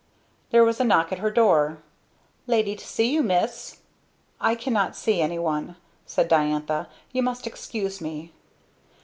There was a knock at her door. "Lady to see you, Miss." "I cannot see anyone," said Diantha; "you must excuse me."